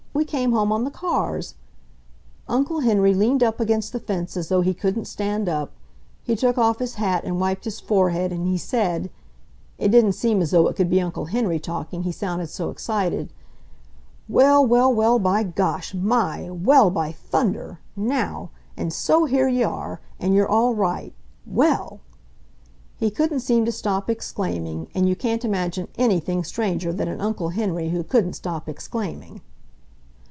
We came home on the cars," Uncle Henry leaned up against the fence as though he couldn't stand up. He took off his hat and wiped his forehead and he said—it didn't seem as though it could be Uncle Henry talking, he sounded so excited—"Well, well—well, by gosh! My! Well, by thunder! Now! And so here ye are! And you're all right! WELL!" He couldn't seem to stop exclaiming, and you can't imagine anything stranger than an Uncle Henry who couldn't stop exclaiming.